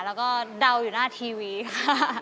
แล้วก็เดาอยู่หน้าทีวีค่ะ